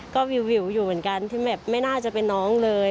ก็วิวอยู่เหมือนกันที่แบบไม่น่าจะเป็นน้องเลย